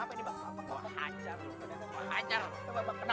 ampunilah dosa somat ya allah